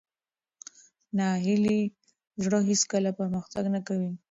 ناهیلي زړه هېڅکله پرمختګ نه کوي.